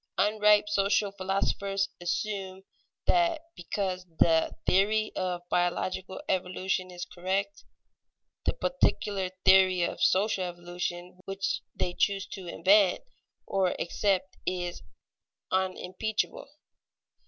Unripe social philosophers assume that because the theory of biological evolution is correct, the particular theory of social evolution which they choose to invent or accept is unimpeachable.